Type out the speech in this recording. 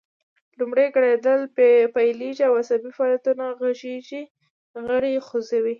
لومړی ګړیدل پیلیږي او عصبي فعالیتونه غږیز غړي خوځوي